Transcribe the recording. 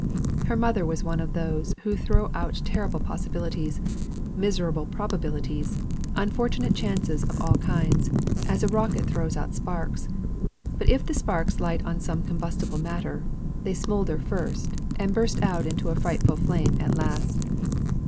Her mother was one of those who throw out terrible possibilities, miserable probabilities, unfortunate chances of all kinds, as a rocket throws out sparks; but if the sparks light on some combustible matter, they smoulder first, and burst out into a frightful flame at last.